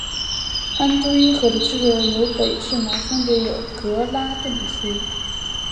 安都因河的支流由北至南分别有格拉顿河。